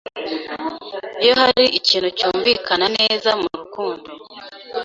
Iyo hari ikintu cyunvikana neza murukundo